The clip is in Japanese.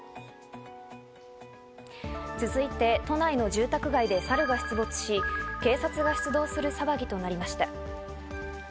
続いて都内の住宅街でサルが出没し、警察が出動する騒ぎとなりました。